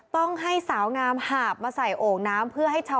ต้องให้สาวงามหาบมาใส่โอกน้ำ